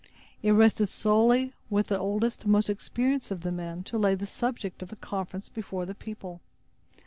It rested solely with the oldest and most experienced of the men to lay the subject of the conference before the people.